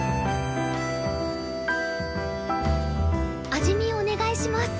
味見お願いします。